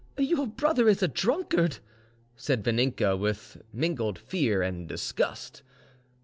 "Your brother is a drunkard," said Vaninka, with mingled fear and disgust.